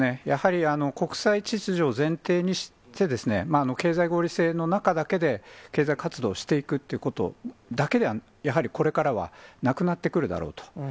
やはり国際秩序を前提にして、経済合理性の中だけで経済活動をしていくっていうことだけでは、やはりこれからは、なくなってくるだろうと。